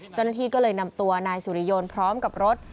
เจ้าหน้าที่ก็เลยนำตัวนายสุริยนต์พร้อมกับรถ